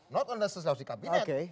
not only sesuai di kabinet